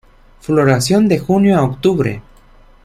Floración de junio a octubre.